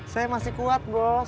saya masih kuat bos